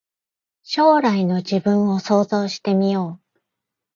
将来の自分を想像してみよう